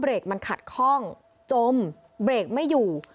เบรกมันขัดคล่องจมเบรกไม่อยู่